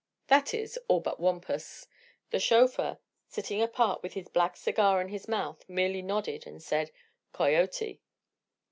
That is, all but Wampus. The chauffeur, sitting apart with his black cigar in his mouth, merely nodded and said: "Coyote."